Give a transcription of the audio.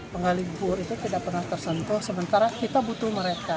pengalibur itu tidak pernah tersentuh sementara kita butuh mereka